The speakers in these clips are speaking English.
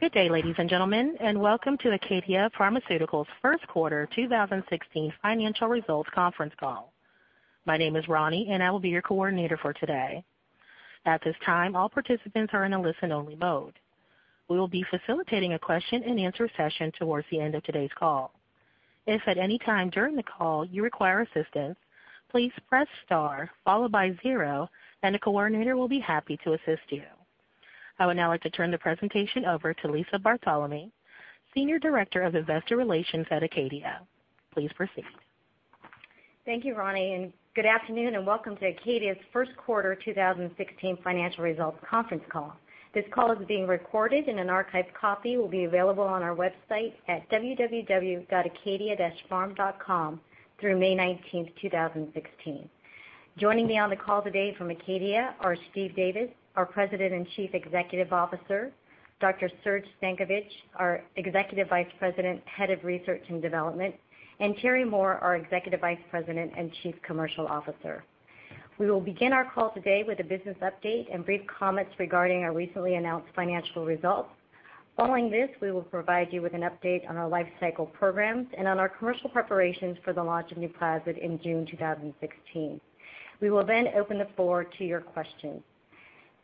Good day, ladies and gentlemen, and welcome to ACADIA Pharmaceuticals' first quarter 2016 financial results conference call. My name is Ronnie, and I will be your coordinator for today. At this time, all participants are in a listen-only mode. We will be facilitating a question-and-answer session towards the end of today's call. If at any time during the call you require assistance, please press star followed by zero, and a coordinator will be happy to assist you. I would now like to turn the presentation over to Lisa Bartolomei, Senior Director of Investor Relations at ACADIA. Please proceed. Thank you, Ronnie, and good afternoon, and welcome to ACADIA's first quarter 2016 financial results conference call. This call is being recorded, and an archived copy will be available on our website at www.acadia.com through May 19th, 2016. Joining me on the call today from ACADIA are Steve Davis, our President and Chief Executive Officer, Dr. Srdjan Stankovic, our Executive Vice President, Head of Research and Development, and Terrence Moore, our Executive Vice President and Chief Commercial Officer. We will begin our call today with a business update and brief comments regarding our recently announced financial results. Following this, we will provide you with an update on our life cycle programs and on our commercial preparations for the launch of NUPLAZID in June 2016. We will then open the floor to your questions.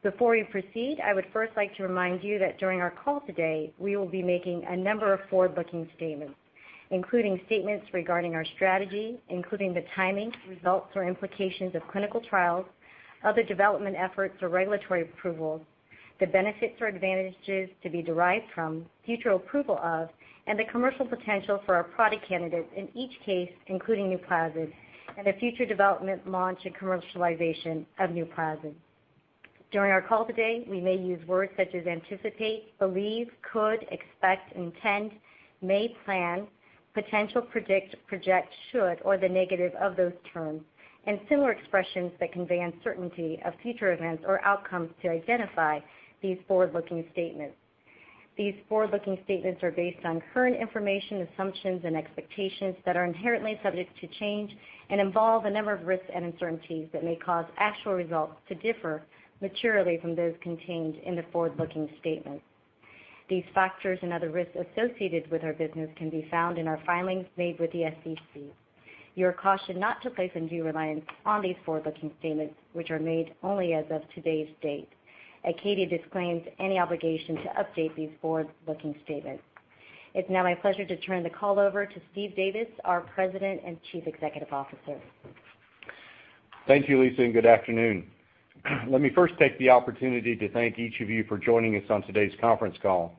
Before we proceed, I would first like to remind you that during our call today, we will be making a number of forward-looking statements, including statements regarding our strategy, including the timing, results, or implications of clinical trials, other development efforts or regulatory approvals, the benefits or advantages to be derived from future approval of and the commercial potential for our product candidates, in each case including NUPLAZID, and the future development, launch, and commercialization of NUPLAZID. During our call today, we may use words such as anticipate, believe, could, expect, intend, may plan, potential, predict, project, should, or the negative of those terms, and similar expressions that convey uncertainty of future events or outcomes to identify these forward-looking statements. These forward-looking statements are based on current information, assumptions and expectations that are inherently subject to change and involve a number of risks and uncertainties that may cause actual results to differ materially from those contained in the forward-looking statements. These factors and other risks associated with our business can be found in our filings made with the SEC. You are cautioned not to place undue reliance on these forward-looking statements, which are made only as of today's date. ACADIA disclaims any obligation to update these forward-looking statements. It's now my pleasure to turn the call over to Steve Davis, our President and Chief Executive Officer. Thank you, Lisa, and good afternoon. Let me first take the opportunity to thank each of you for joining us on today's conference call.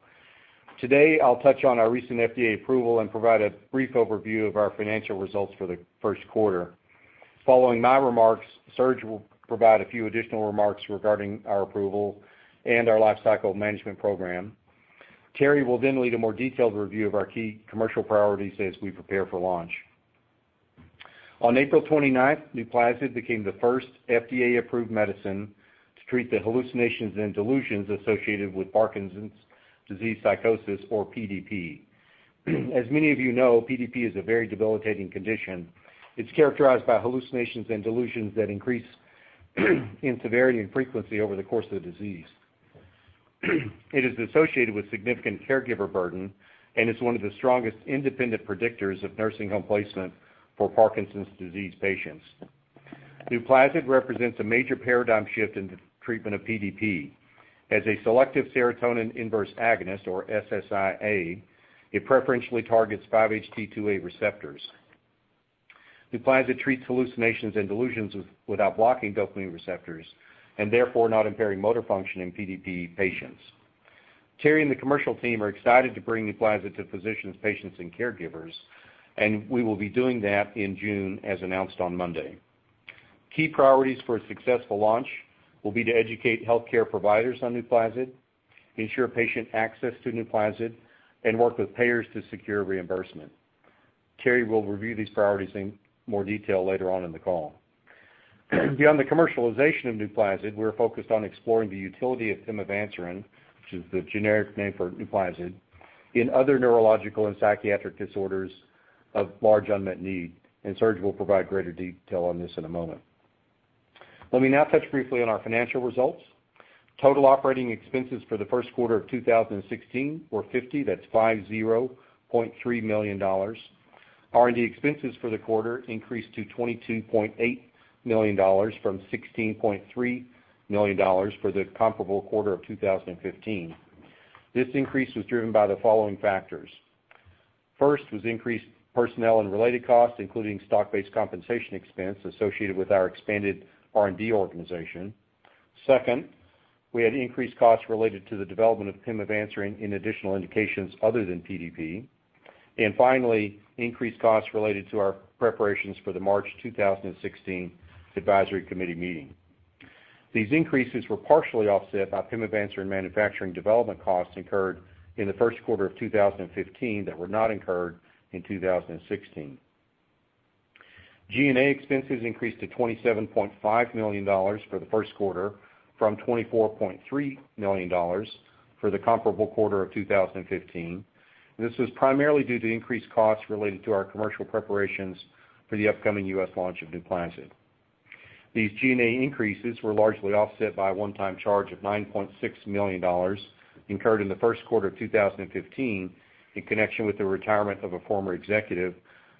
Today, I'll touch on our recent FDA approval and provide a brief overview of our financial results for the first quarter. Following my remarks, Srdjan will provide a few additional remarks regarding our approval and our lifecycle management program. Terry will lead a more detailed review of our key commercial priorities as we prepare for launch. On April 29th, NUPLAZID became the first FDA-approved medicine to treat the hallucinations and delusions associated with Parkinson's disease psychosis, or PDP. As many of you know, PDP is a very debilitating condition. It's characterized by hallucinations and delusions that increase in severity and frequency over the course of the disease. It is associated with significant caregiver burden and is one of the strongest independent predictors of nursing home placement for Parkinson's disease patients. NUPLAZID represents a major paradigm shift in the treatment of PDP. As a selective serotonin inverse agonist, or SSIA, it preferentially targets 5-HT2A receptors. NUPLAZID treats hallucinations and delusions without blocking dopamine receptors, and therefore not impairing motor function in PDP patients. Terry and the commercial team are excited to bring NUPLAZID to physicians, patients, and caregivers, and we will be doing that in June, as announced on Monday. Key priorities for a successful launch will be to educate healthcare providers on NUPLAZID, ensure patient access to NUPLAZID, and work with payers to secure reimbursement. Terry will review these priorities in more detail later on in the call. Beyond the commercialization of NUPLAZID, we are focused on exploring the utility of pimavanserin, which is the generic name for NUPLAZID, in other neurological and psychiatric disorders of large unmet need, and Serge will provide greater detail on this in a moment. Let me now touch briefly on our financial results. Total operating expenses for the first quarter of 2016 were $50.3 million. R&D expenses for the quarter increased to $22.8 million from $16.3 million for the comparable quarter of 2015. This increase was driven by the following factors. First was increased personnel and related costs, including stock-based compensation expense associated with our expanded R&D organization. Second, we had increased costs related to the development of pimavanserin in additional indications other than PDP. Finally, increased costs related to our preparations for the March 2016 advisory committee meeting. These increases were partially offset by pimavanserin manufacturing development costs incurred in the first quarter of 2015 that were not incurred in 2016. G&A expenses increased to $27.5 million for the first quarter from $24.3 million for the comparable quarter of 2015. This was primarily due to increased costs related to our commercial preparations for the upcoming U.S. launch of NUPLAZID. These G&A increases were largely offset by a one-time charge of $9.6 million incurred in the first quarter of 2015 in connection with the retirement of a former executive,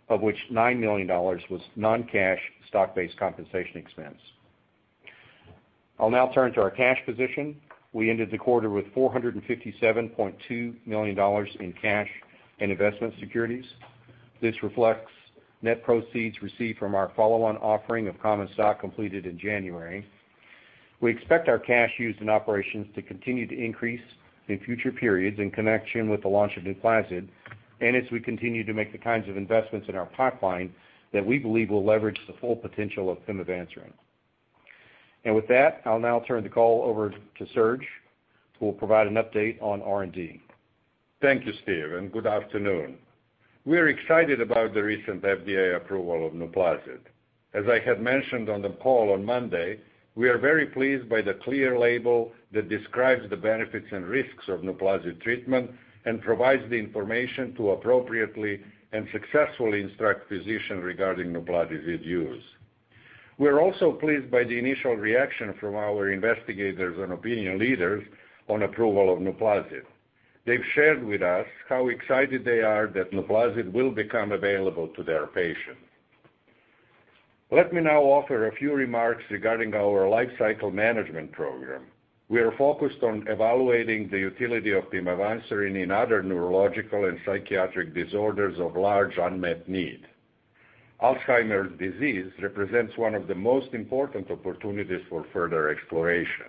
of which $9 million was non-cash stock-based compensation expense. I'll now turn to our cash position. We ended the quarter with $457.2 million in cash and investment securities. This reflects net proceeds received from our follow-on offering of common stock completed in January. We expect our cash used in operations to continue to increase in future periods in connection with the launch of NUPLAZID, as we continue to make the kinds of investments in our pipeline that we believe will leverage the full potential of pimavanserin. With that, I'll now turn the call over to Serge, who will provide an update on R&D. Thank you, Steve, and good afternoon. We're excited about the recent FDA approval of NUPLAZID. As I had mentioned on the call on Monday, we are very pleased by the clear label that describes the benefits and risks of NUPLAZID treatment and provides the information to appropriately and successfully instruct physicians regarding NUPLAZID's use. We're also pleased by the initial reaction from our investigators and opinion leaders on approval of NUPLAZID. They've shared with us how excited they are that NUPLAZID will become available to their patients. Let me now offer a few remarks regarding our lifecycle management program. We are focused on evaluating the utility of pimavanserin in other neurological and psychiatric disorders of large unmet need. Alzheimer's disease represents one of the most important opportunities for further exploration.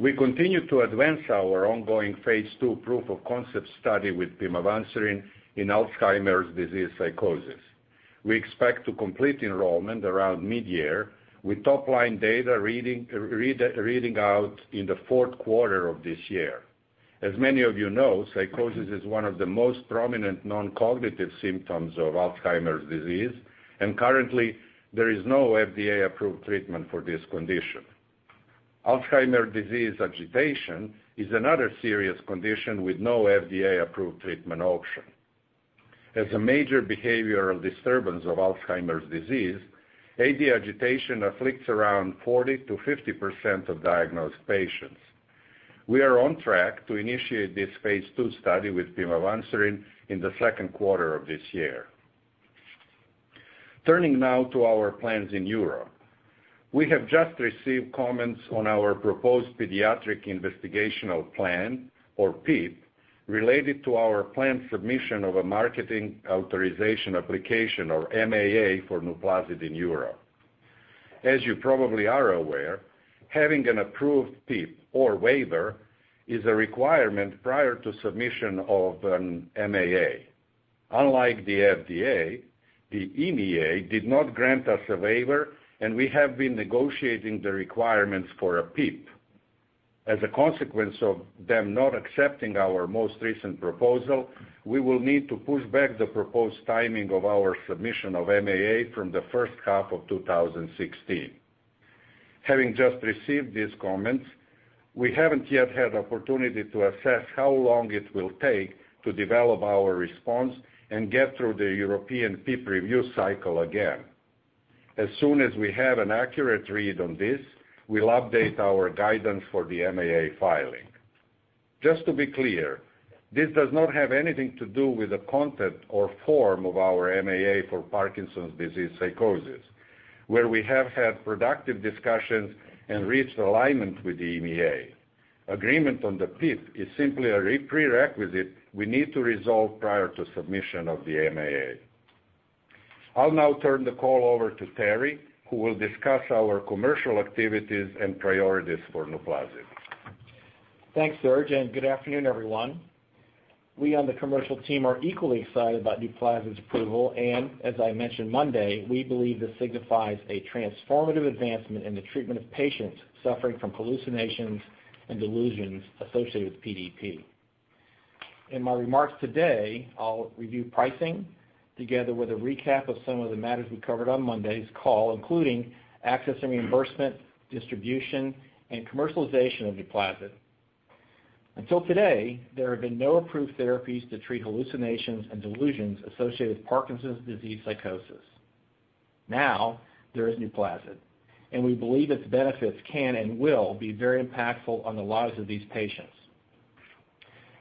We continue to advance our ongoing phase II proof of concept study with pimavanserin in Alzheimer's disease psychosis. We expect to complete enrollment around mid-year, with top-line data reading out in the fourth quarter of this year. As many of you know, psychosis is one of the most prominent non-cognitive symptoms of Alzheimer's disease, and currently, there is no FDA-approved treatment for this condition. Alzheimer's disease agitation is another serious condition with no FDA-approved treatment option. As a major behavioral disturbance of Alzheimer's disease, AD agitation afflicts around 40%-50% of diagnosed patients. We are on track to initiate this phase II study with pimavanserin in the second quarter of this year. Turning now to our plans in Europe. We have just received comments on our proposed pediatric investigational plan, or PIP, related to our planned submission of a marketing authorization application, or MAA, for NUPLAZID in Europe. As you probably are aware, having an approved PIP or waiver is a requirement prior to submission of an MAA. Unlike the FDA, the EMA did not grant us a waiver, and we have been negotiating the requirements for a PIP. As a consequence of them not accepting our most recent proposal, we will need to push back the proposed timing of our submission of MAA from the first half of 2016. Having just received these comments, we haven't yet had opportunity to assess how long it will take to develop our response and get through the European PIP review cycle again. As soon as we have an accurate read on this, we'll update our guidance for the MAA filing. Just to be clear, this does not have anything to do with the content or form of our MAA for Parkinson's disease psychosis, where we have had productive discussions and reached alignment with the EMA. Agreement on the PIP is simply a prerequisite we need to resolve prior to submission of the MAA. I'll now turn the call over to Terry, who will discuss our commercial activities and priorities for NUPLAZID. Thanks, Serge. Good afternoon, everyone. We on the commercial team are equally excited about NUPLAZID's approval. As I mentioned Monday, we believe this signifies a transformative advancement in the treatment of patients suffering from hallucinations and delusions associated with PDP. In my remarks today, I'll review pricing together with a recap of some of the matters we covered on Monday's call, including access and reimbursement, distribution, and commercialization of NUPLAZID. Until today, there have been no approved therapies to treat hallucinations and delusions associated with Parkinson's disease psychosis. Now there is NUPLAZID, and we believe its benefits can and will be very impactful on the lives of these patients.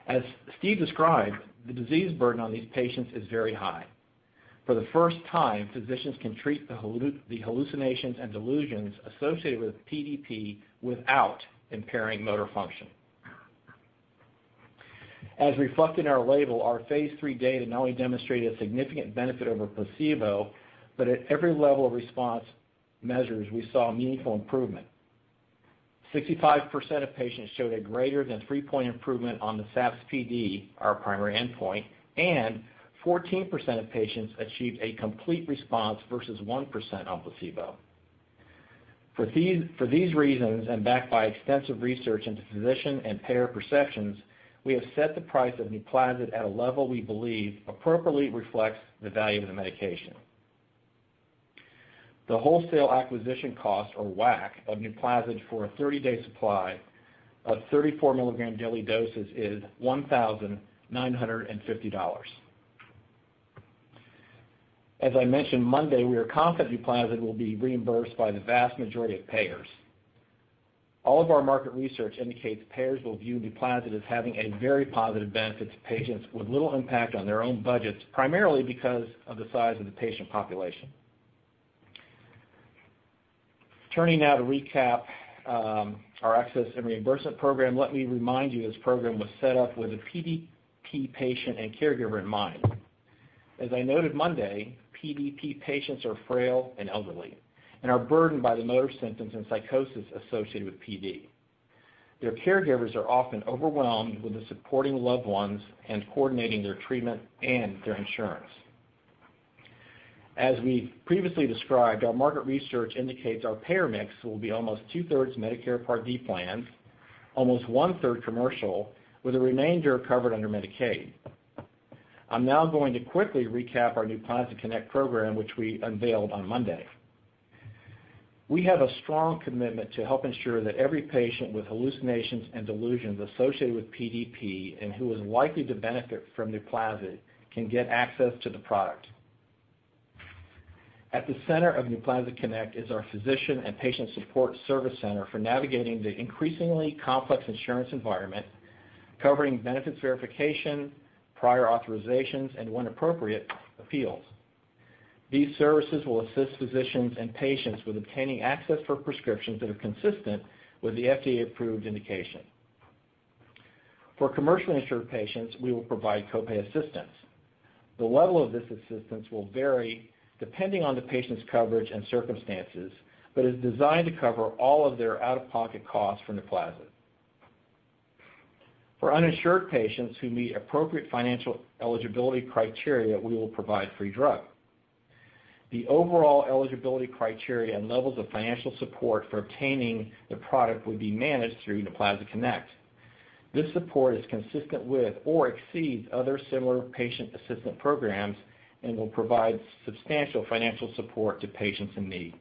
As Steve described, the disease burden on these patients is very high. For the first time, physicians can treat the hallucinations and delusions associated with PDP without impairing motor function. As reflected in our label, our phase III data not only demonstrated a significant benefit over placebo, but at every level of response measures, we saw meaningful improvement. 65% of patients showed a greater than three-point improvement on the SAPS-PD, our primary endpoint. 14% of patients achieved a complete response versus 1% on placebo. For these reasons, backed by extensive research into physician and payer perceptions, we have set the price of NUPLAZID at a level we believe appropriately reflects the value of the medication. The wholesale acquisition cost, or WAC, of NUPLAZID for a 30-day supply of 34 milligram daily doses is $1,950. As I mentioned Monday, we are confident NUPLAZID will be reimbursed by the vast majority of payers. All of our market research indicates payers will view NUPLAZID as having a very positive benefit to patients with little impact on their own budgets, primarily because of the size of the patient population. Turning now to recap our access and reimbursement program, let me remind you this program was set up with the PDP patient and caregiver in mind. As I noted Monday, PDP patients are frail and elderly and are burdened by the motor symptoms and psychosis associated with PD. Their caregivers are often overwhelmed with the supporting loved ones and coordinating their treatment and their insurance. As we've previously described, our market research indicates our payer mix will be almost two-thirds Medicare Part D plans, almost one-third commercial, with a remainder covered under Medicaid. I'm now going to quickly recap our NUPLAZIDconnect program, which we unveiled on Monday. We have a strong commitment to help ensure that every patient with hallucinations and delusions associated with PDP, and who is likely to benefit from NUPLAZID, can get access to the product. At the center of NUPLAZIDconnect is our physician and patient support service center for navigating the increasingly complex insurance environment, covering benefits verification, prior authorizations, and when appropriate, appeals. These services will assist physicians and patients with obtaining access for prescriptions that are consistent with the FDA-approved indication. For commercially insured patients, we will provide copay assistance. The level of this assistance will vary depending on the patient's coverage and circumstances, but is designed to cover all of their out-of-pocket costs for NUPLAZID. For uninsured patients who meet appropriate financial eligibility criteria, we will provide free drug. The overall eligibility criteria and levels of financial support for obtaining the product will be managed through NUPLAZIDconnect. This support is consistent with or exceeds other similar patient assistance programs and will provide substantial financial support to patients in need.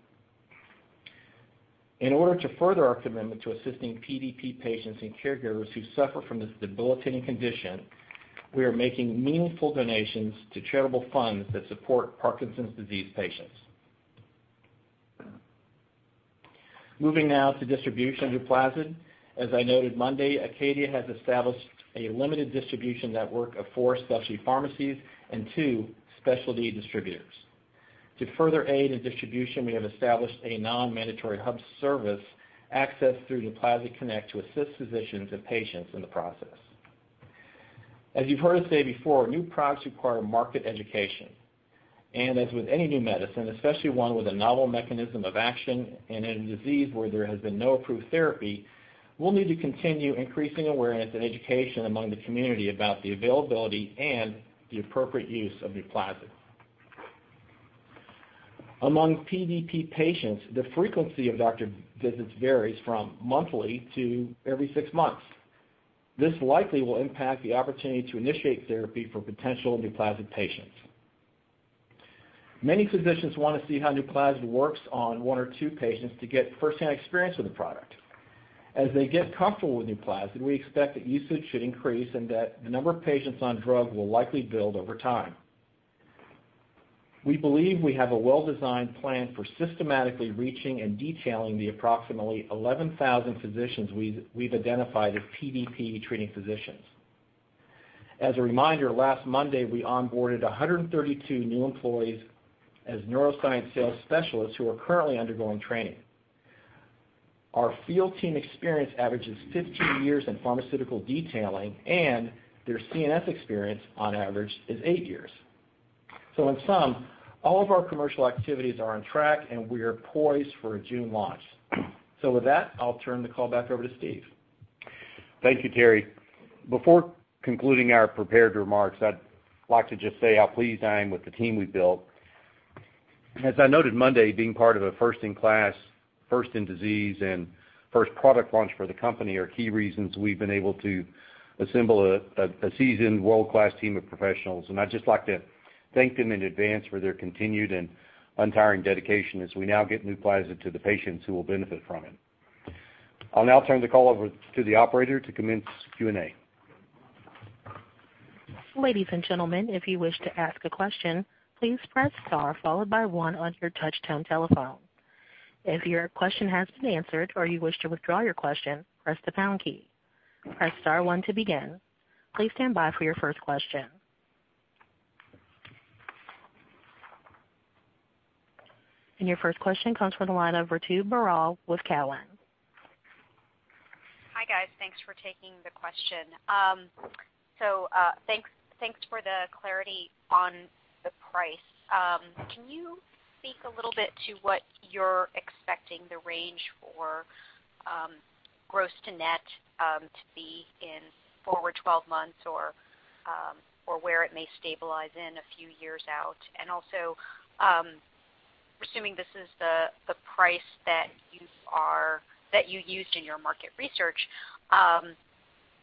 In order to further our commitment to assisting PDP patients and caregivers who suffer from this debilitating condition, we are making meaningful donations to charitable funds that support Parkinson's disease patients. Moving now to distribution of NUPLAZID. As I noted Monday, ACADIA has established a limited distribution network of four specialty pharmacies and two specialty distributors. To further aid in distribution, we have established a non-mandatory hub service access through NUPLAZIDconnect to assist physicians and patients in the process. As you've heard us say before, new products require market education. As with any new medicine, especially one with a novel mechanism of action and in a disease where there has been no approved therapy, we'll need to continue increasing awareness and education among the community about the availability and the appropriate use of NUPLAZID. Among PDP patients, the frequency of doctor visits varies from monthly to every six months. This likely will impact the opportunity to initiate therapy for potential NUPLAZID patients. Many physicians want to see how NUPLAZID works on one or two patients to get first-hand experience with the product. As they get comfortable with NUPLAZID, we expect that usage should increase and that the number of patients on drug will likely build over time. We believe we have a well-designed plan for systematically reaching and detailing the approximately 11,000 physicians we've identified as PDP-treating physicians. As a reminder, last Monday, we onboarded 132 new employees as neuroscience sales specialists who are currently undergoing training. Our field team experience averages 15 years in pharmaceutical detailing, and their CNS experience on average is eight years. In sum, all of our commercial activities are on track, and we are poised for a June launch. With that, I'll turn the call back over to Steve. Thank you, Terry. Before concluding our prepared remarks, I'd like to just say how pleased I am with the team we've built. As I noted Monday, being part of a first-in-class, first in disease, and first product launch for the company are key reasons we've been able to assemble a seasoned world-class team of professionals, and I'd just like to thank them in advance for their continued and untiring dedication as we now get NUPLAZID to the patients who will benefit from it. I'll now turn the call over to the operator to commence Q&A. Ladies and gentlemen, if you wish to ask a question, please press star one on your touch tone telephone. If your question has been answered or you wish to withdraw your question, press the pound key. Press star one to begin. Please stand by for your first question. Your first question comes from the line of Ritu Baral with Cowen. Hi guys. Thanks for taking the question. Thanks for the clarity on the price. Can you speak a little bit to what you're expecting the range for gross to net to be in forward 12 months or where it may stabilize in a few years out? Also, assuming this is the price that you used in your market research,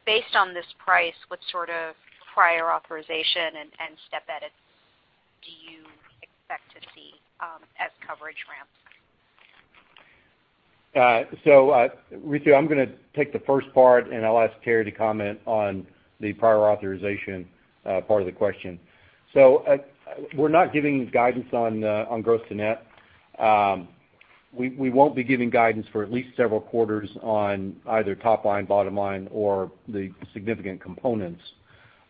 based on this price, what sort of prior authorization and step edits do you expect to see as coverage ramps? Ritu, I'm going to take the first part, and I'll ask Terry to comment on the prior authorization part of the question. We're not giving guidance on gross to net. We won't be giving guidance for at least several quarters on either top line, bottom line, or the significant components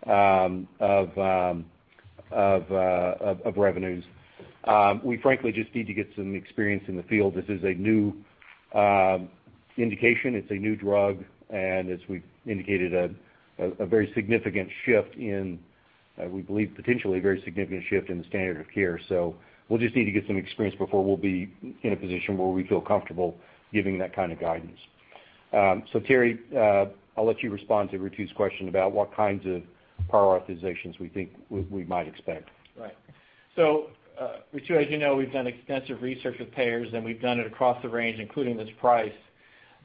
of revenues. We frankly just need to get some experience in the field. This is a new indication, it's a new drug, and as we've indicated, we believe, a potentially very significant shift in the standard of care. We'll just need to get some experience before we'll be in a position where we feel comfortable giving that kind of guidance. Terry, I'll let you respond to Ritu's question about what kinds of prior authorizations we think we might expect. Right. Ritu, as you know, we've done extensive research with payers, we've done it across the range, including this price.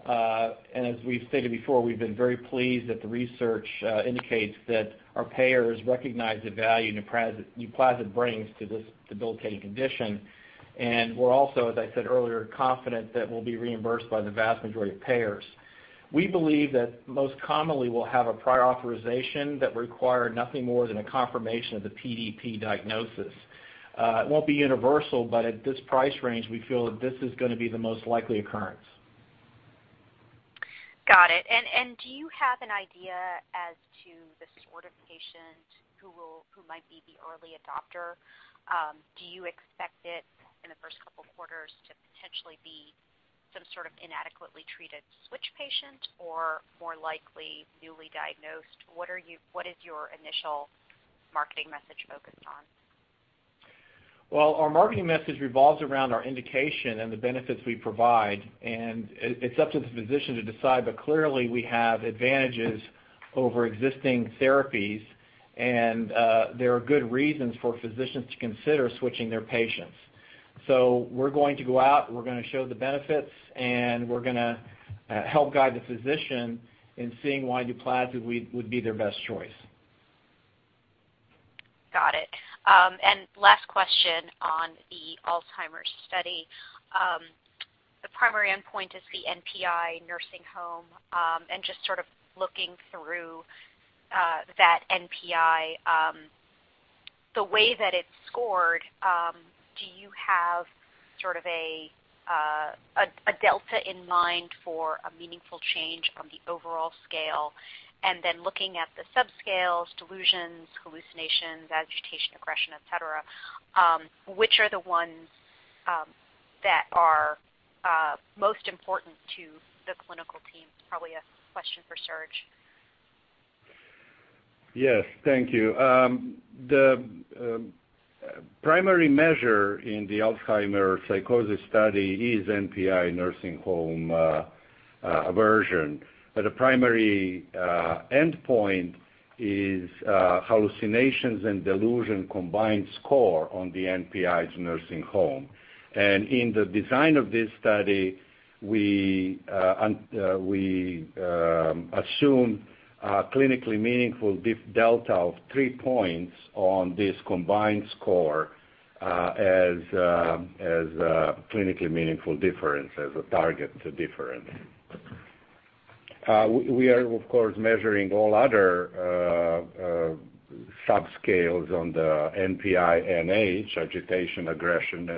As we've stated before, we've been very pleased that the research indicates that our payers recognize the value NUPLAZID brings to this debilitating condition. We're also, as I said earlier, confident that we'll be reimbursed by the vast majority of payers. We believe that most commonly we'll have a prior authorization that require nothing more than a confirmation of the PDP diagnosis. It won't be universal, but at this price range, we feel that this is going to be the most likely occurrence. Got it. Do you have an idea as to the sort of patient who might be the early adopter? Do you expect it, in the first couple of quarters, to potentially be some sort of inadequately treated switch patient or more likely newly diagnosed? What is your initial marketing message focused on? Well, our marketing message revolves around our indication and the benefits we provide, it's up to the physician to decide. Clearly, we have advantages over existing therapies, there are good reasons for physicians to consider switching their patients. We're going to go out, we're going to show the benefits, we're going to help guide the physician in seeing why NUPLAZID would be their best choice. Got it. Last question on the Alzheimer's study. The primary endpoint is the NPI nursing home. Just sort of looking through that NPI, the way that it's scored, do you have sort of a delta in mind for a meaningful change from the overall scale? Then looking at the subscales, delusions, hallucinations, agitation, aggression, et cetera, which are the ones that are most important to the clinical team? Probably a question for Serge. Yes. Thank you. The primary measure in the Alzheimer's psychosis study is NPI nursing home version, but the primary endpoint is hallucinations and delusion combined score on the NPI's nursing home. In the design of this study, we assume a clinically meaningful delta of three points on this combined score as a clinically meaningful difference, as a target to different. We are, of course, measuring all other subscales on the NPI-NH, agitation, aggression,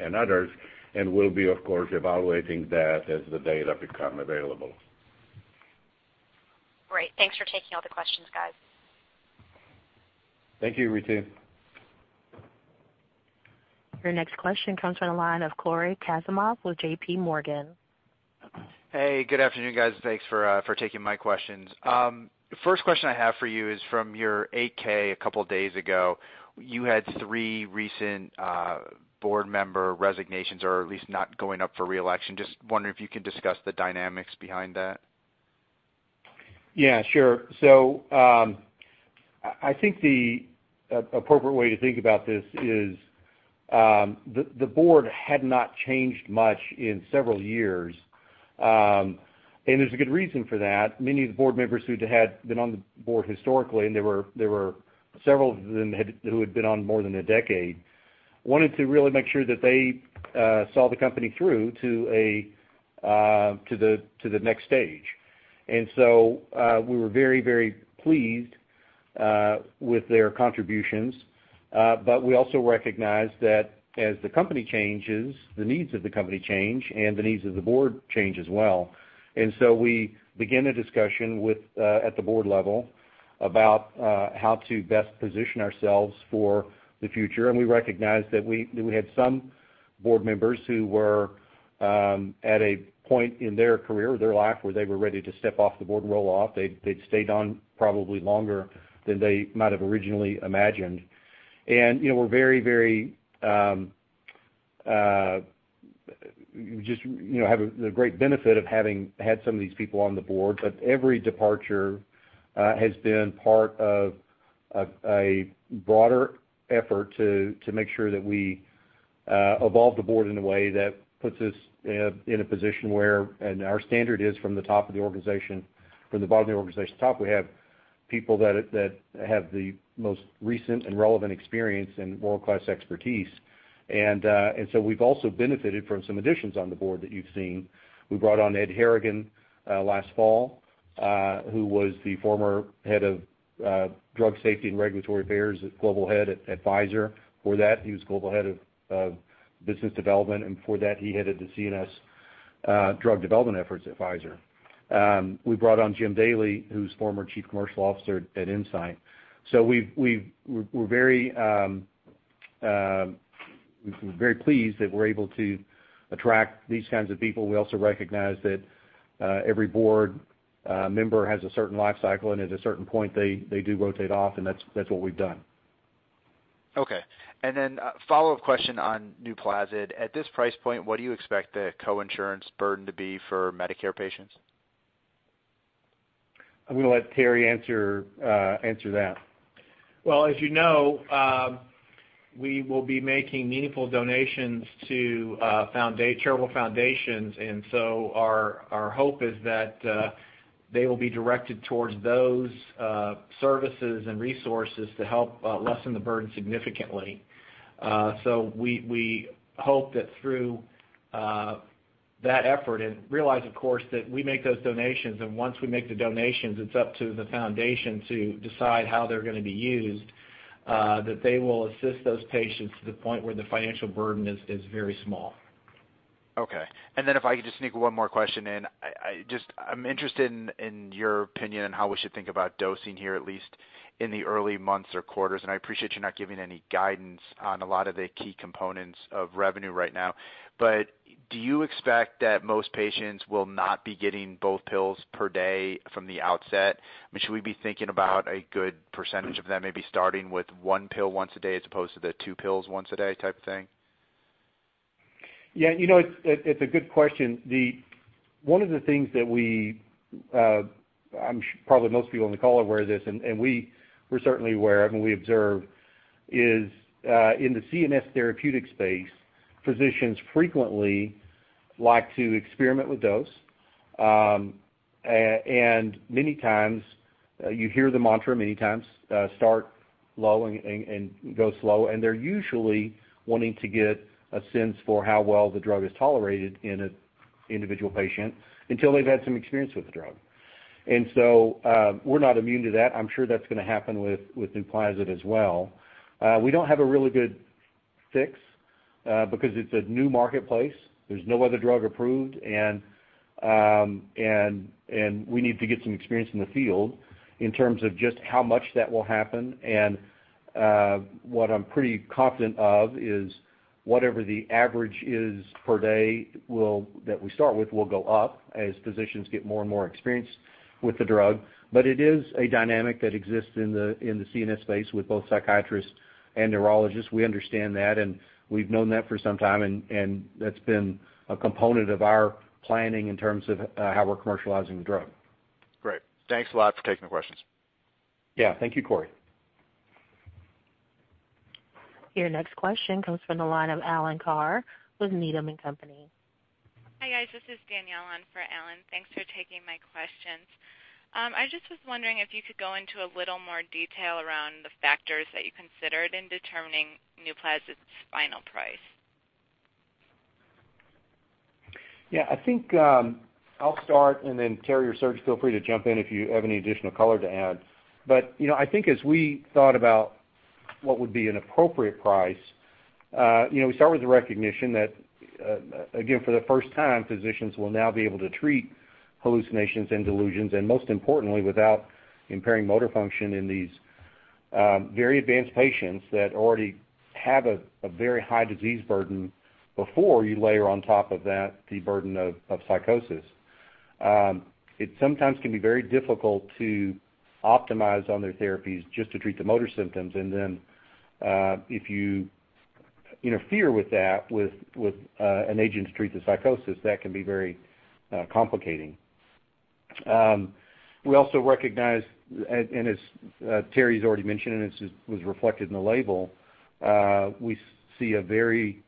and others, and we'll be, of course, evaluating that as the data become available. Great. Thanks for taking all the questions, guys. Thank you, Ritu. Your next question comes from the line of Cory Kasimov with J.P. Morgan. Hey, good afternoon, guys. Thanks for taking my questions. First question I have for you is from your 8-K a couple of days ago. You had three recent board member resignations, or at least not going up for re-election. Just wondering if you can discuss the dynamics behind that. Yeah, sure. I think the appropriate way to think about this is the board had not changed much in several years, and there's a good reason for that. Many of the board members who had been on the board historically, and there were several of them who had been on more than a decade, wanted to really make sure that they saw the company through to the next stage. We were very pleased with their contributions. We also recognized that as the company changes, the needs of the company change, and the needs of the board change as well. We began a discussion at the board level about how to best position ourselves for the future. We recognized that we had some board members who were at a point in their career, their life, where they were ready to step off the board and roll off. They'd stayed on probably longer than they might have originally imagined. We just have the great benefit of having had some of these people on the board. Every departure has been part of a broader effort to make sure that we evolve the board in a way that puts us in a position and our standard is from the bottom of the organization to the top, we have people that have the most recent and relevant experience and world-class expertise. We've also benefited from some additions on the board that you've seen. We brought on Ed Harrigan last fall, who was the former head of drug safety and regulatory affairs, global head at Pfizer. Before that, he was global head of business development, and before that, he headed the CNS drug development efforts at Pfizer. We brought on Jim Daly, who's former chief commercial officer at Incyte. We're very pleased that we're able to attract these kinds of people. We also recognize that every board member has a certain life cycle, and at a certain point they do rotate off, and that's what we've done. Okay. A follow-up question on NUPLAZID. At this price point, what do you expect the co-insurance burden to be for Medicare patients? I'm going to let Terry answer that. Well, as you know, we will be making meaningful donations to charitable foundations. Our hope is that they will be directed towards those services and resources to help lessen the burden significantly. We hope that through that effort and realize, of course, that we make those donations, and once we make the donations, it's up to the foundation to decide how they're going to be used, that they will assist those patients to the point where the financial burden is very small. Okay. If I could just sneak one more question in. I'm interested in your opinion on how we should think about dosing here, at least in the early months or quarters. I appreciate you're not giving any guidance on a lot of the key components of revenue right now. Do you expect that most patients will not be getting both pills per day from the outset? I mean, should we be thinking about a good percentage of them maybe starting with one pill once a day as opposed to the two pills once a day type thing? Yeah, it's a good question. One of the things that probably most people on the call are aware of this, and we're certainly aware of and we observe, is in the CNS therapeutic space, physicians frequently like to experiment with dose. Many times, you hear the mantra, start low and go slow. They're usually wanting to get a sense for how well the drug is tolerated in an individual patient until they've had some experience with the drug. We're not immune to that. I'm sure that's going to happen with NUPLAZID as well. We don't have a really good fix because it's a new marketplace. There's no other drug approved. We need to get some experience in the field in terms of just how much that will happen. What I'm pretty confident of is whatever the average is per day that we start with will go up as physicians get more and more experienced with the drug. It is a dynamic that exists in the CNS space with both psychiatrists and neurologists. We understand that. We've known that for some time. That's been a component of our planning in terms of how we're commercializing the drug. Great. Thanks a lot for taking the questions. Yeah. Thank you, Cory. Your next question comes from the line of Alan Carr with Needham & Company. Hi, guys. This is Danielle on for Alan. Thanks for taking my questions. I just was wondering if you could go into a little more detail around the factors that you considered in determining NUPLAZID's final price. Yeah, I think I'll start, and then Terry or Serge, feel free to jump in if you have any additional color to add. I think as we thought about what would be an appropriate price, we start with the recognition that, again, for the first time, physicians will now be able to treat hallucinations and delusions, and most importantly, without impairing motor function in these very advanced patients that already have a very high disease burden before you layer on top of that the burden of psychosis. It sometimes can be very difficult to optimize on their therapies just to treat the motor symptoms, and then if you interfere with that with an agent to treat the psychosis, that can be very complicating. We also recognize, and as Terry's already mentioned, and it was reflected in the label, we see a very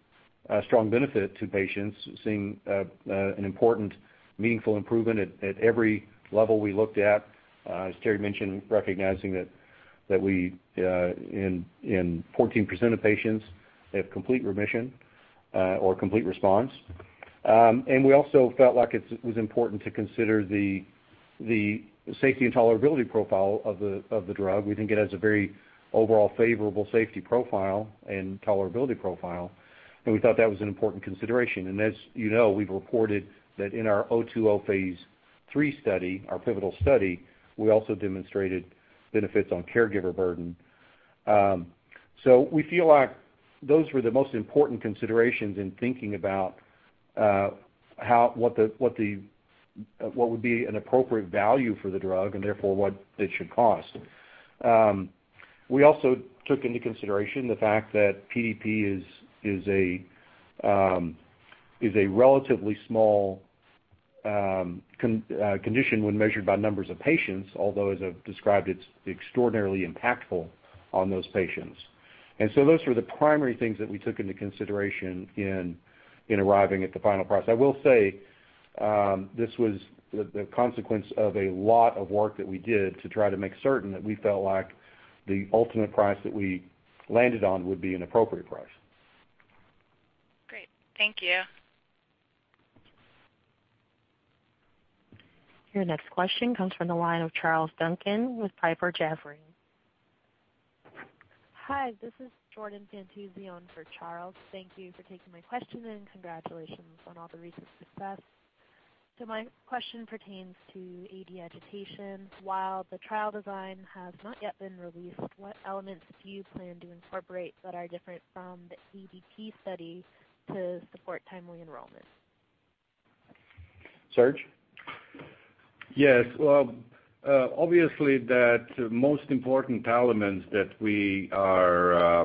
strong benefit to patients seeing an important, meaningful improvement at every level we looked at. As Terry mentioned, recognizing that in 14% of patients, they have complete remission or complete response. We also felt like it was important to consider the safety and tolerability profile of the drug. We think it has a very overall favorable safety profile and tolerability profile, and we thought that was an important consideration. As you know, we've reported that in our -020 Phase III study, our pivotal study, we also demonstrated benefits on caregiver burden. We feel like those were the most important considerations in thinking about what would be an appropriate value for the drug and therefore what it should cost. We also took into consideration the fact that PDP is a relatively small condition when measured by numbers of patients, although as I've described, it's extraordinarily impactful on those patients. Those were the primary things that we took into consideration in arriving at the final price. I will say, this was the consequence of a lot of work that we did to try to make certain that we felt like the ultimate price that we landed on would be an appropriate price. Great. Thank you. Your next question comes from the line of Charles Duncan with Piper Jaffray. Hi, this is Jordan Fantuzio for Charles. Thank you for taking my question, and congratulations on all the recent success. My question pertains to AD agitation. While the trial design has not yet been released, what elements do you plan to incorporate that are different from the AD study to support timely enrollment? Serge? Yes. Well, obviously the most important elements that we are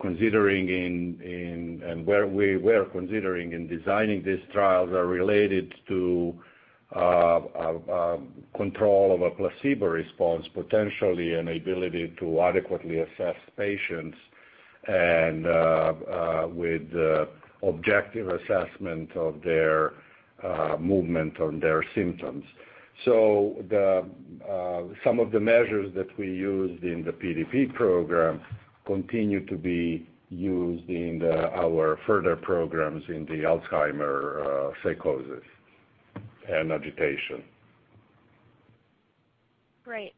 considering in and where we were considering in designing these trials are related to control of a placebo response, potentially an ability to adequately assess patients, and with objective assessment of their movement on their symptoms. Some of the measures that we used in the PDP program continue to be used in our further programs in the Alzheimer's psychosis and agitation. Great.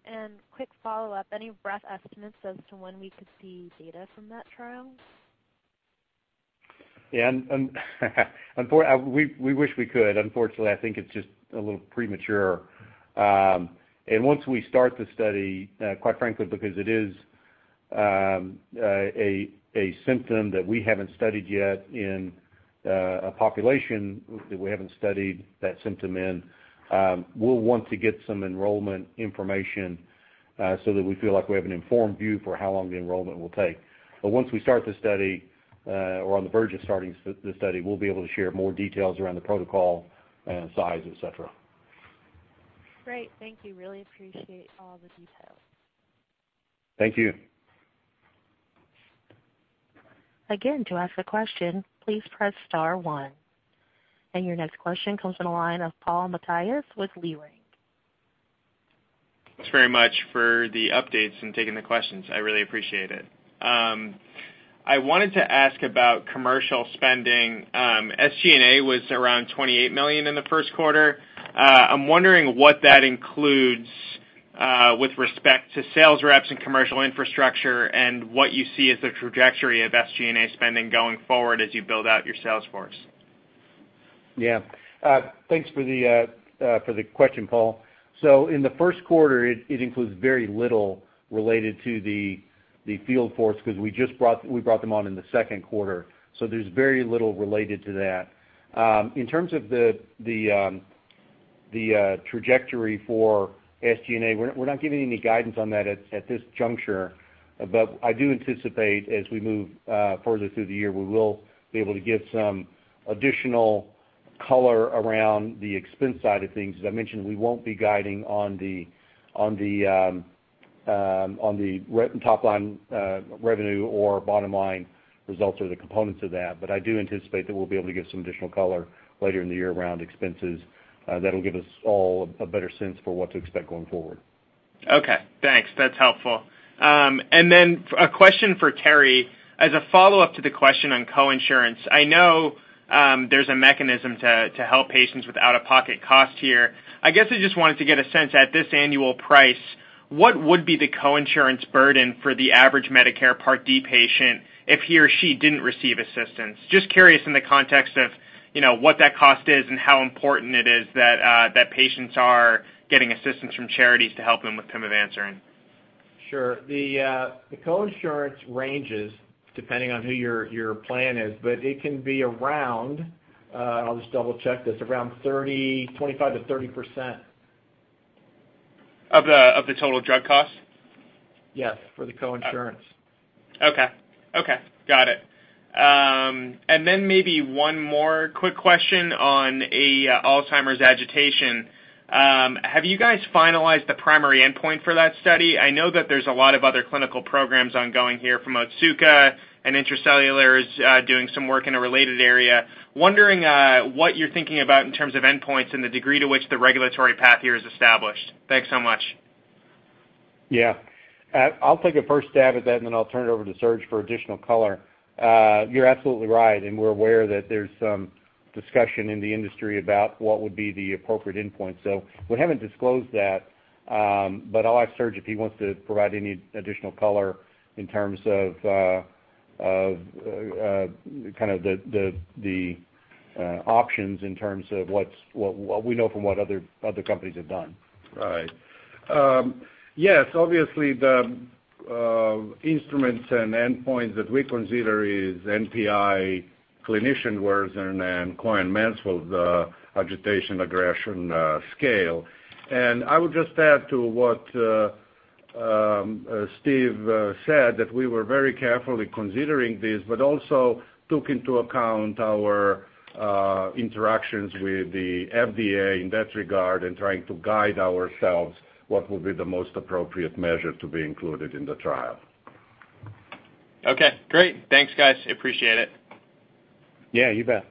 Quick follow-up, any rough estimates as to when we could see data from that trial? Yeah. We wish we could. Unfortunately, I think it's just a little premature. Once we start the study, quite frankly, because it is a symptom that we haven't studied yet in a population that we haven't studied that symptom in, we'll want to get some enrollment information so that we feel like we have an informed view for how long the enrollment will take. Once we start the study, or are on the verge of starting the study, we'll be able to share more details around the protocol and size, et cetera. Great. Thank you. Really appreciate all the details. Thank you. Again, to ask a question, please press star 1. Your next question comes from the line of Paul Matteis with Leerink. Thanks very much for the updates and taking the questions. I really appreciate it. I wanted to ask about commercial spending. SG&A was around $28 million in the first quarter. I'm wondering what that includes with respect to sales reps and commercial infrastructure and what you see as the trajectory of SG&A spending going forward as you build out your sales force. Yeah. Thanks for the question, Paul. In the first quarter, it includes very little related to the field force because we brought them on in the second quarter. There's very little related to that. In terms of the trajectory for SG&A, we're not giving any guidance on that at this juncture. I do anticipate, as we move further through the year, we will be able to give some additional color around the expense side of things. As I mentioned, we won't be guiding on the top-line revenue or bottom-line results or the components of that, I do anticipate that we'll be able to give some additional color later in the year around expenses that'll give us all a better sense for what to expect going forward. Okay, thanks. That's helpful. A question for Terry. As a follow-up to the question on co-insurance, I know there's a mechanism to help patients with out-of-pocket costs here. I guess I just wanted to get a sense, at this annual price, what would be the co-insurance burden for the average Medicare Part D patient if he or she didn't receive assistance? Just curious in the context of what that cost is and how important it is that patients are getting assistance from charities to help them with pimavanserin. Sure. The co-insurance ranges depending on who your plan is, but it can be around, I'll just double-check this, around 25%-30%. Of the total drug cost? Yes. For the co-insurance. Maybe one more quick question on Alzheimer's agitation. Have you guys finalized the primary endpoint for that study? I know that there's a lot of other clinical programs ongoing here from Otsuka, Intra-Cellular, is doing some work in a related area. Wondering what you're thinking about in terms of endpoints and the degree to which the regulatory path here is established. Thanks so much. I'll take a first stab at that, and then I'll turn it over to Serge for additional color. You're absolutely right. We're aware that there's some discussion in the industry about what would be the appropriate endpoint. We haven't disclosed that, but I'll ask Serge if he wants to provide any additional color in terms of kind of the options in terms of what we know from what other companies have done. Obviously the instruments and endpoints that we consider is NPI clinician version and Cohen-Mansfield Agitation Inventory. I would just add to what Steve said, that we were very carefully considering this, but also took into account our interactions with the FDA in that regard and trying to guide ourselves what will be the most appropriate measure to be included in the trial. Great. Thanks, guys. I appreciate it. Yeah, you bet.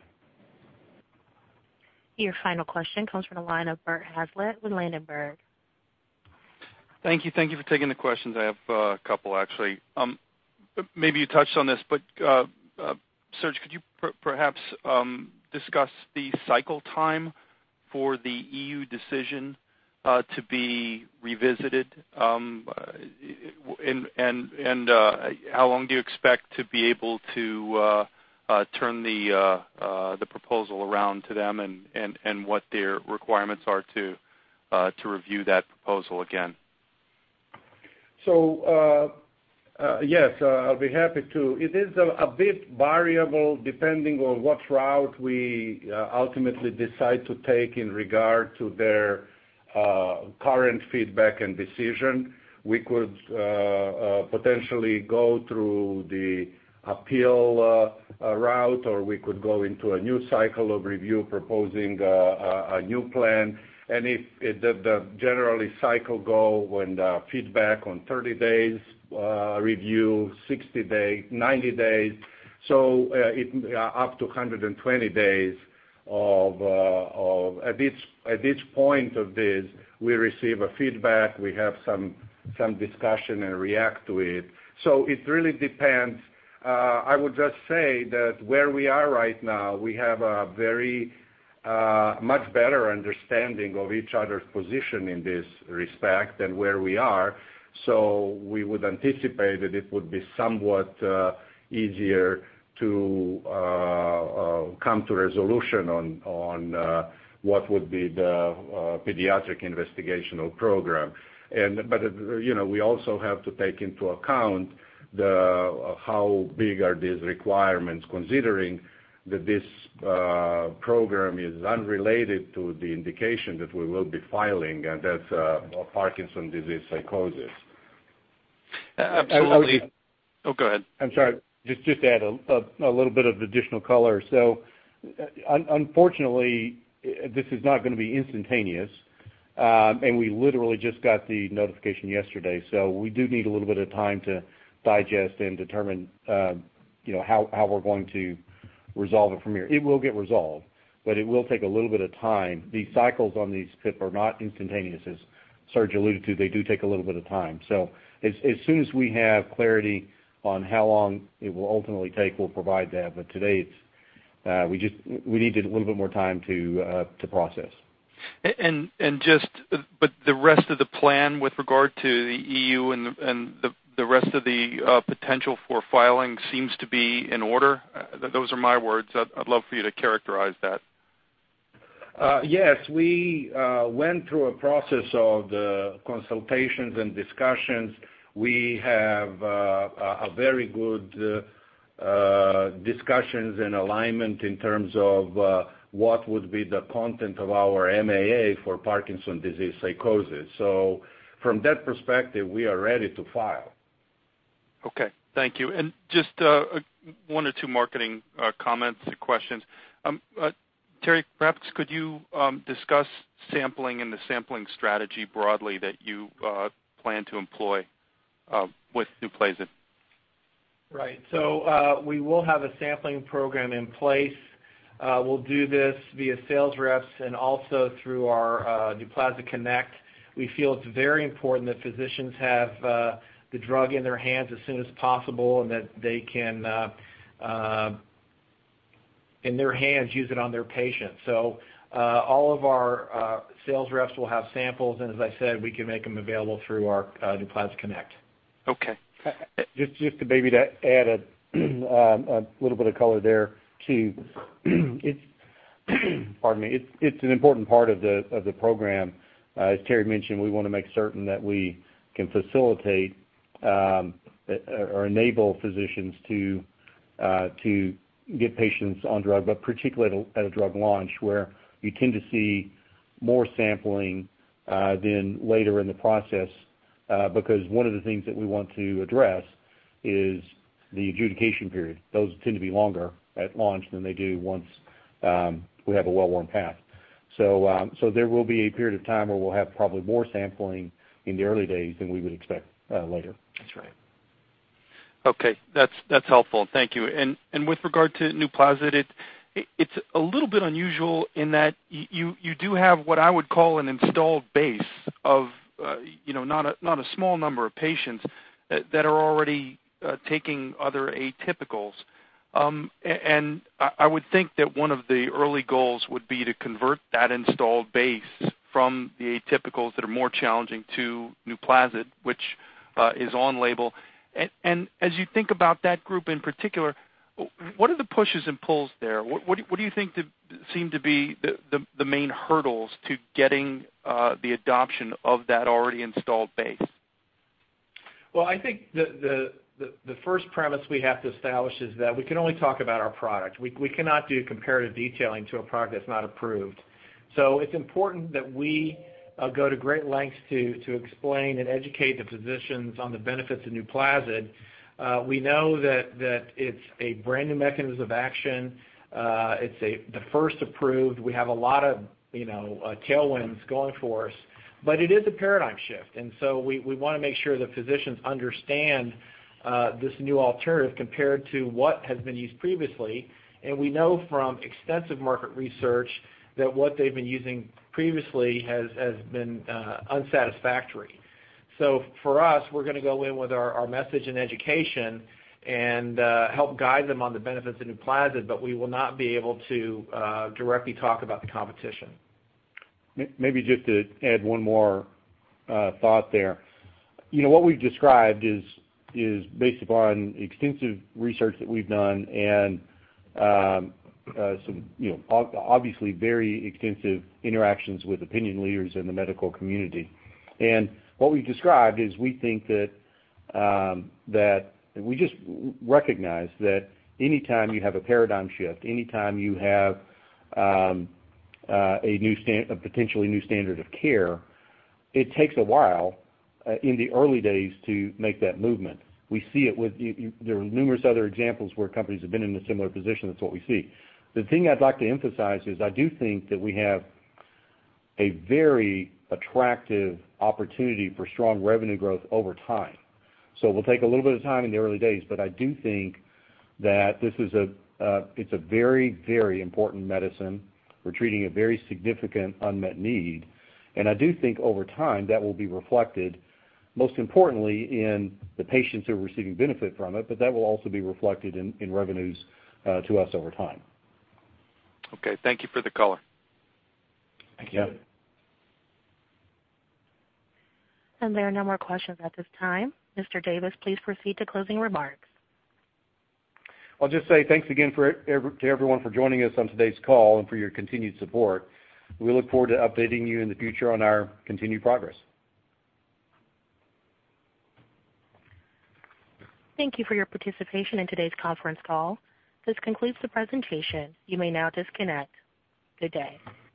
Your final question comes from the line of Bert Hazlett with Ladenburg. Thank you for taking the questions. I have a couple, actually. Maybe you touched on this, Serge, could you perhaps discuss the cycle time for the EU decision to be revisited? How long do you expect to be able to turn the proposal around to them and what their requirements are to review that proposal again? Yes, I'll be happy to. It is a bit variable depending on what route we ultimately decide to take in regard to their current feedback and decision. We could potentially go through the appeal route, we could go into a new cycle of review proposing a new plan. If the generally cycle go when the feedback on 30 days review, 60 day, 90 days. Up to 120 days of at each point of this, we receive a feedback, we have some discussion and react to it. It really depends. I would just say that where we are right now, we have a very much better understanding of each other's position in this respect than where we are. We would anticipate that it would be somewhat easier to come to resolution on what would be the pediatric investigational program. We also have to take into account how big are these requirements, considering that this program is unrelated to the indication that we will be filing, and that's Parkinson's disease psychosis. Absolutely. Oh, go ahead. I'm sorry. Just to add a little bit of additional color. Unfortunately, this is not going to be instantaneous. We literally just got the notification yesterday. We do need a little bit of time to digest and determine how we're going to resolve it from here. It will get resolved, but it will take a little bit of time. The cycles on these PIP are not instantaneous, as Serge alluded to. They do take a little bit of time. As soon as we have clarity on how long it will ultimately take, we'll provide that. Today, we need a little bit more time to process. The rest of the plan with regard to the EU and the rest of the potential for filing seems to be in order. Those are my words. I'd love for you to characterize that. Yes. We went through a process of the consultations and discussions. We have a very good discussions and alignment in terms of what would be the content of our MAA for Parkinson's disease psychosis. From that perspective, we are ready to file. Okay. Thank you. Just one or two marketing comments or questions. Terry, perhaps could you discuss sampling and the sampling strategy broadly that you plan to employ with NUPLAZID? Right. We will have a sampling program in place. We'll do this via sales reps and also through our NUPLAZIDconnect. We feel it's very important that physicians have the drug in their hands as soon as possible and that they can, in their hands, use it on their patients. All of our sales reps will have samples, and as I said, we can make them available through our NUPLAZIDconnect. Okay. Just to add a little bit of color there, too. Pardon me. It's an important part of the program. As Terry mentioned, we want to make certain that we can facilitate or enable physicians to get patients on drug, but particularly at a drug launch where you tend to see more sampling than later in the process. One of the things that we want to address is the adjudication period. Those tend to be longer at launch than they do once we have a well-worn path. There will be a period of time where we'll have probably more sampling in the early days than we would expect later. That's right. Okay. That's helpful. Thank you. With regard to NUPLAZID, it's a little bit unusual in that you do have what I would call an installed base of not a small number of patients that are already taking other atypicals. I would think that one of the early goals would be to convert that installed base from the atypicals that are more challenging to NUPLAZID, which is on label. As you think about that group in particular, what are the pushes and pulls there? What do you think seem to be the main hurdles to getting the adoption of that already installed base? Well, I think the first premise we have to establish is that we can only talk about our product. We cannot do comparative detailing to a product that's not approved. It's important that we go to great lengths to explain and educate the physicians on the benefits of NUPLAZID. We know that it's a brand-new mechanism of action. It's the first approved. We have a lot of tailwinds going for us, but it is a paradigm shift. We want to make sure that physicians understand this new alternative compared to what has been used previously. We know from extensive market research that what they've been using previously has been unsatisfactory. For us, we're going to go in with our message and education and help guide them on the benefits of NUPLAZID, but we will not be able to directly talk about the competition. Maybe just to add one more thought there. What we've described is based upon extensive research that we've done and some obviously very extensive interactions with opinion leaders in the medical community. What we've described is we think that we just recognize that any time you have a paradigm shift, any time you have a potentially new standard of care, it takes a while in the early days to make that movement. We see it with the numerous other examples where companies have been in a similar position. That's what we see. The thing I'd like to emphasize is I do think that we have a very attractive opportunity for strong revenue growth over time. We'll take a little bit of time in the early days, but I do think that this is a very important medicine. We're treating a very significant unmet need, I do think over time that will be reflected, most importantly, in the patients who are receiving benefit from it, that will also be reflected in revenues to us over time. Okay. Thank you for the color. Thank you. There are no more questions at this time. Mr. Davis, please proceed to closing remarks. I'll just say thanks again to everyone for joining us on today's call and for your continued support. We look forward to updating you in the future on our continued progress. Thank you for your participation in today's conference call. This concludes the presentation. You may now disconnect. Good day.